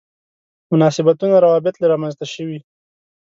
مناسبتونه روابط رامنځته شوي.